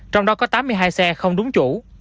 trong đó có tám mươi hai xe không đúng chủ